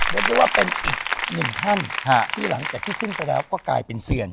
เรียกได้ว่าเป็นอีกหนึ่งท่านที่หลังจากที่ขึ้นไปแล้วก็กลายเป็นเซียน